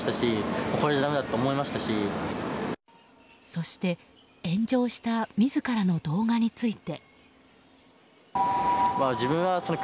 そして、炎上した自らの動画について。